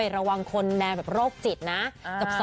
๑ระวังคนแนรกแบบโรคจิตนะ